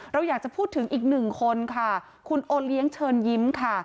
เราอยากจะพูดถึงอีกหนึ่งคนค่ะคุณโอเลี้ยงเชิญยิ้มค่ะ